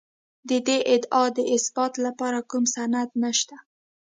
د دې ادعا د اثبات لپاره کوم سند نشته.